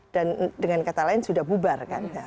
dan dengan kata lain sudah bubar